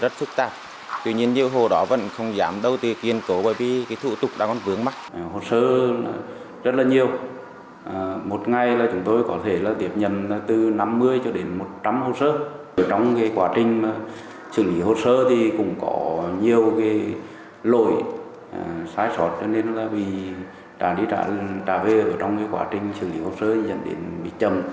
sai sót cho nên là vì đã đi trả về trong quá trình xử lý hồ sơ thì nhận đến bị chầm